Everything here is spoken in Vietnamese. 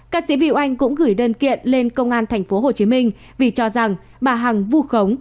các sĩ vị anh cũng gửi đơn kiện lên công an tp hcm vì cho rằng bà hằng vu khống